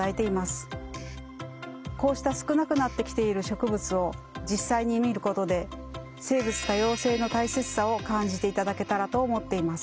こうした少なくなってきている植物を実際に見ることで生物多様性の大切さを感じていただけたらと思っています。